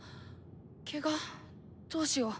ケガどうしよう。